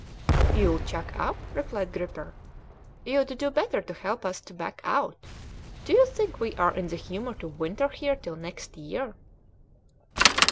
"You'll chuck up?" replied Gripper; "you'd do better to help us to back out. Do you think we are in the humour to winter here till next year?"